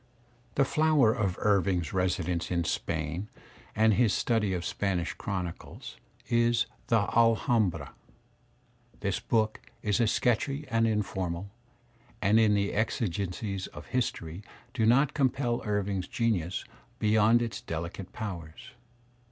The flower of Irving's residence in Spain and his study of Spanish chronicle is "The Alhambra." This book is sketchy and informal, and in it the exigencies of history do not compel Irving's genius beyond its delicate powers.